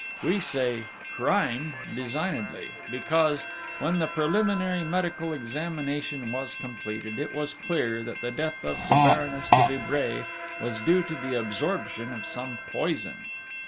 We say 'crime' designedly, because, when the preliminary medical examination was completed, it was clear that the death of the Baroness de Vibray was due to the absorption of some poison.